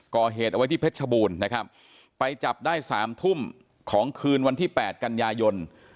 ก่อเหตุเอาไว้ที่เพชรชบูรณ์นะครับไปจับได้สามทุ่มของคืนวันที่๘กันยายน